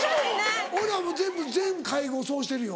俺はもう全部全会合そうしてるよ。